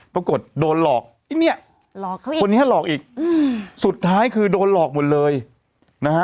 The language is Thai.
ปรากฏโดนหลอกไอ้เนี้ยหลอกเขาอีกคนนี้หลอกอีกอืมสุดท้ายคือโดนหลอกหมดเลยนะฮะ